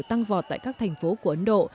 tăng vọt tại các thành phố của ấn độ